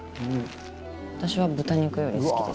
私は豚肉より好きですね。